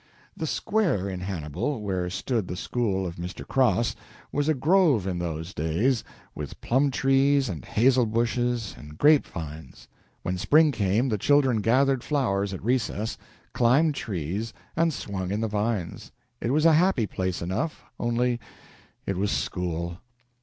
The Square in Hannibal, where stood the school of Mr. Cross, was a grove in those days, with plum trees and hazel bushes and grape vines. When spring came, the children gathered flowers at recess, climbed trees, and swung in the vines. It was a happy place enough, only it was school.